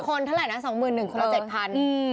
๓คนเท่าไรนะ๒๑๐๐๐บาทคนละ๗๐๐๐บาท